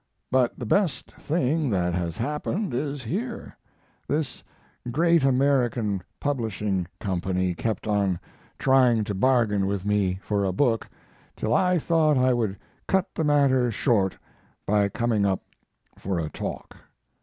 But the best thing that has happened is here. This great American Publishing Company kept on trying to bargain with me for a book till I thought I would cut the matter short by coming up for a talk.